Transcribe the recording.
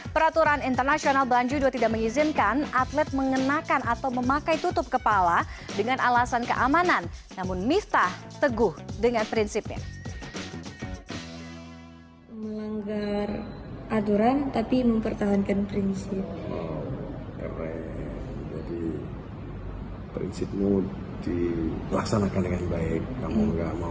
peraturan internasional banjir dua tidak mengizinkan atlet mengenakan atau memakai tutup kepala dengan alasan keamanan namun miftah teguh dengan prinsipnya